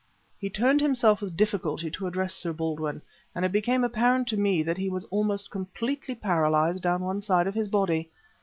He turned himself with difficulty to address Sir Baldwin; and it became apparent to me that he was almost completely paralyzed down one side of his body.